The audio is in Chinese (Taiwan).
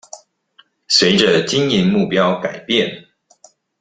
隨著經營目標改變